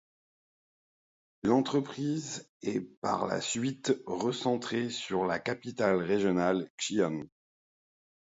L'entreprise est par la suite recentrée sur la capitale régionale Xi’an.